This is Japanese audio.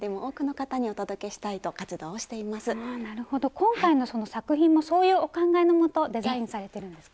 今回の作品もそういうお考えのもとデザインされてるんですか？